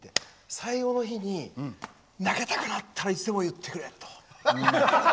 最後の日に投げたくなったらいつでも言ってくれ！と。